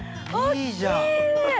いいじゃん。